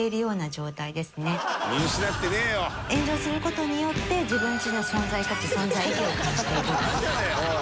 炎上する事によって自分の存在価値存在意義を感じている。